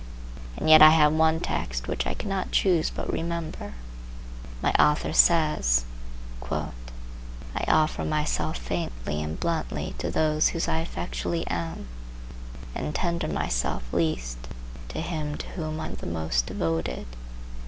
And yet I have one text which I cannot choose but remember. My author says,—"I offer myself faintly and bluntly to those whose I effectually am, and tender myself least to him to whom I am the most devoted."